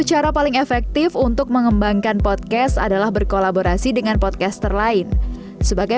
cara paling efektif untuk mengembangkan podcast adalah berkolaborasi dengan podcaster lain sebagai